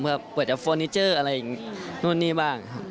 เพื่อเปิดจากฟอร์นิเจอร์อะไรอย่างนู้นนี่บ้างครับ